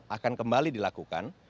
akan kembali dilakukan